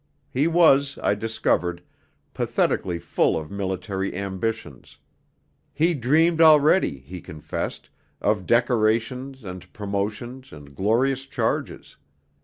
He was, I discovered, pathetically full of military ambitions; he dreamed already, he confessed, of decorations and promotions and glorious charges.